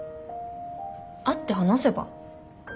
会って話せば？